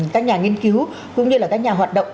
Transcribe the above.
các nhà nghiên cứu cũng như là các nhà hoạt động